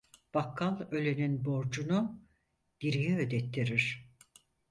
Bakkal ölenin borcunu, diriye ödettirir.